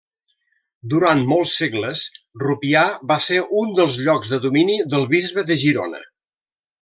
Durant molts segles Rupià va ser un dels llocs de domini del bisbe de Girona.